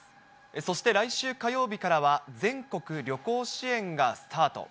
そして、来週火曜日からは全国旅行支援がスタート。